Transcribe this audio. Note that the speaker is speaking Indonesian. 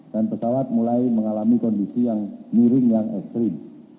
dan pesawat mulai mengalami kondisi yang miring yang ekstrim